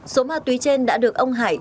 số ma túy trên đã được ông hải